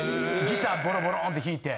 ギターボロボロンって弾いて。